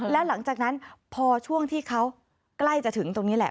แล้วหลังจากนั้นพอช่วงที่เขาใกล้จะถึงตรงนี้แหละ